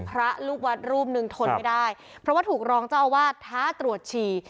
พระลูกวัดรูปหนึ่งทนไม่ได้เพราะว่าถูกรองเจ้าอาวาสท้าตรวจฉี่